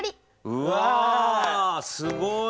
うわすごい。